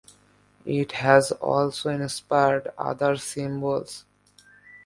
It has also inspired other symbols.